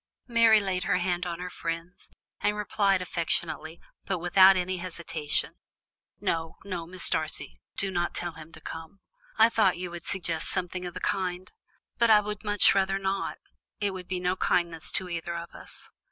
Mary laid her hand on her friend's, and replied affectionately, but without any hesitation: "No, no, Mrs. Darcy, do not tell him to come. I thought you would suggest something of the kind, but I would much rather not. It would be no kindness to either of us."